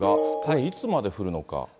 いつまで降るのか。